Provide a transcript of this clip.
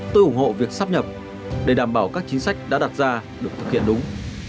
tôi ủng hộ việc sắp nhập để đảm bảo các chính sách đã đặt ra được thực hiện đúng